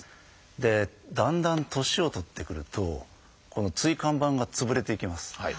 でだんだん年を取ってくるとこの椎間板が潰れていきます。